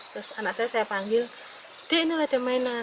terus anak saya saya panggil dek ini nggak ada mainan